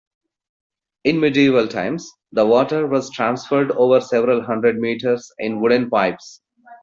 In medieval times, the water was transferred over several hundred metres in wooden pipes.